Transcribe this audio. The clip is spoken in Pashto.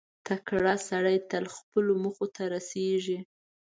• تکړه سړی تل خپلو موخو ته رسېږي.